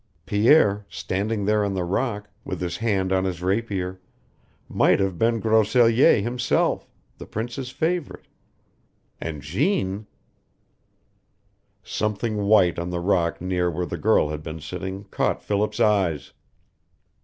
Pierre, standing there on the rock, with his hand on his rapier, might have been Grosellier himself, the prince's favorite, and Jeanne Something white on the rock near where the girl had been sitting caught Philip's eyes.